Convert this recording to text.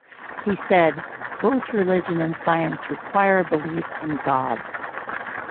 He said: Both Religion and science require a belief in God.